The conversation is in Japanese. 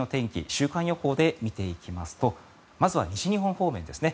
週間予報で見ていきますとまずは西日本方面ですね。